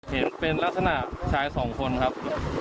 เห็นเป็นลักษณะชายสองคนครับ